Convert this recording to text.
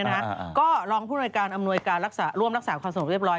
เพราะก็รองผู้โดยการอำนวยการรักษาร่วมรักษาประสงค์เรียบร้อย